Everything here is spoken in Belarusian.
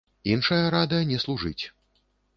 Іншая рада не служыць.